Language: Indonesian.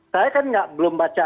saya kan belum baca